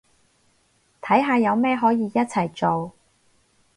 睇下有咩可以一齊做